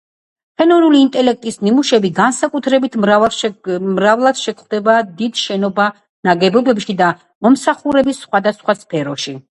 ხელოვნური ინტელექტის ნიმუშები განსაკუთრებით მრავლად შეგვხვდება დიდ შენობა-ნაგებობებში და მომსახურების სხვადასხვა სფეროში.